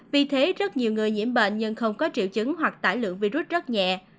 vì thế rất nhiều người nhiễm bệnh nhưng không có triệu chứng hoặc tải lượng virus rất nhẹ